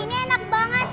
ini enak banget loh